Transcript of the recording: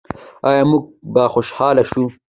آیا موږ به خوشحاله شو؟